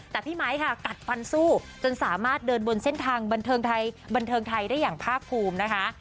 แต่พี่ไมค์ค่ะกัดฟันสู้จนสามารถเดินบนเส้นทางบันเทิงไทยได้อย่างภาคภูมินะคะ